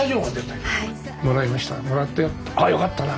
「あっよかったな」